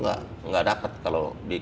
tidak dapat kalau